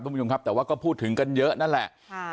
คุณผู้ชมครับแต่ว่าก็พูดถึงกันเยอะนั่นแหละ